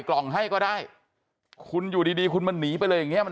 กล่องให้ก็ได้คุณอยู่ดีดีคุณมันหนีไปเลยอย่างเงี้มัน